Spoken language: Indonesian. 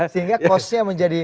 sehingga costnya menjadi